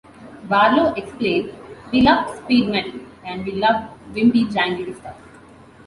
Barlow explained, "We loved speed metal...and we loved wimpy-jangly stuff".